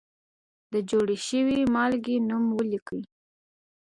د جوړې شوې مالګې نوم ولیکئ.